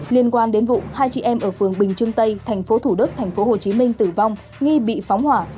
liên quan đến vụ hai chị em ở phường bình trưng tây tp thủ đức tp hcm tử vong nghi bị phóng hỏa